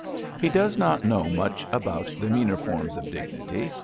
He does not know much about the meaner sf orms of dignity.